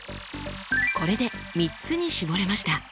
これで３つに絞れました。